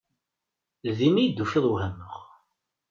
Din iyi-d-tufiḍ wehmeɣ.